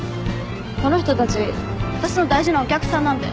この人たち私の大事なお客さんなんで。